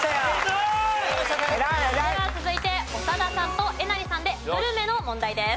では続いて長田さんとえなりさんでグルメの問題です。